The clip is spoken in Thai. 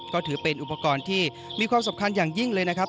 ก็ถือเป็นอุปกรณ์ที่มีความสำคัญอย่างยิ่งเลยนะครับ